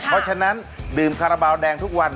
เพราะฉะนั้นดื่มคาราบาลแดงทุกวัน